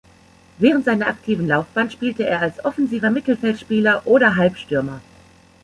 Während seiner aktiven Laufbahn spielte er als offensiver Mittelfeldspieler oder Halbstürmer.